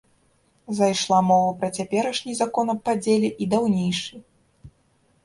Зайшла мова пра цяперашні закон аб падзеле й даўнейшы.